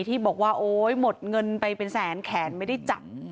ที่บอกว่าโอ๊ยหมดเงินไปเป็นแสนแขนไม่ได้จับ